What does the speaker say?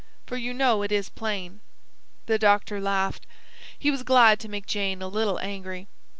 For you know it is plain." The doctor laughed. He was glad to make Jane a little angry.